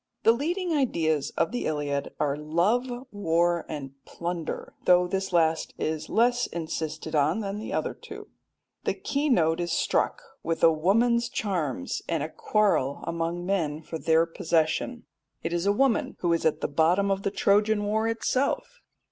The leading ideas of the Iliad are love, war, and plunder, though this last is less insisted on than the other two. The key note is struck with a woman's charms, and a quarrel among men for their possession. It is a woman who is at the bottom of the Trojan war itself.